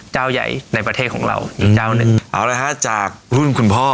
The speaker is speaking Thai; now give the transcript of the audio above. เจ้าใหญ่ในประเทศของเราอีกเจ้าหนึ่งเอาละฮะจากรุ่นคุณพ่อ